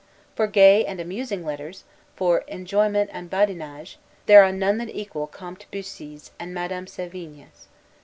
For gay and amusing letters, for 'enjouement and badinage,' there are none that equal Comte Bussy's and Madame Sevigne's.